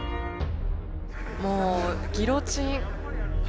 もうギロチン。